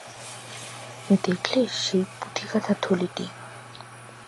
দেখলে সেই পুঁতি-গাঁথা থলিটি।